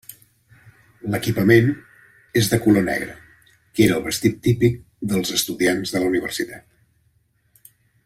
L'equipament és de color negre, que era el vestit típic dels estudiants de la universitat.